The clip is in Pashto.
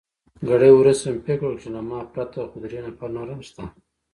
ګړی وروسته مې فکر وکړ، له ما پرته خو درې نفره نور هم شته.